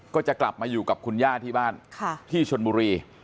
ก็จะกลับมาอยู่กับคุณย่าที่บ้านที่ชนบุรี